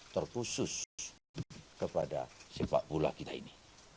terkhusus kepada sepak bola kita ini